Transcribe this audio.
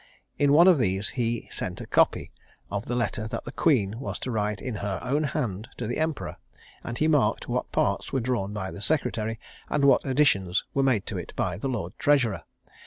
In one of these he sent a copy of the letter that the Queen was to write in her own hand to the Emperor; and he marked what parts were drawn by the secretary, and what additions were made to it by the lord treasurer.